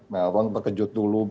melon berkejut dulu